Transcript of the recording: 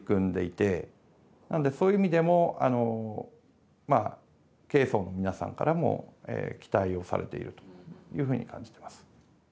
なのでそういう意味でもまあ経営層の皆さんからも期待をされているというふうに感じてます。